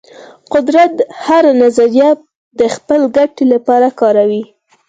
قدرت هره نظریه د خپل ګټې لپاره کاروي.